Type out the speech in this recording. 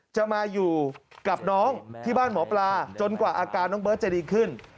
จะมาอยู่กับน้องที่บ้านหมอปลาจนกว่าอาการน้องเบิร์ตจะดีขึ้น